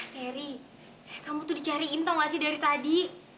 teri kamu tuh dicariin tau gak sih dari tadi